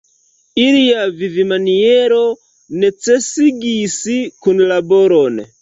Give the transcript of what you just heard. Ilia vivmaniero necesigis kunlaboron.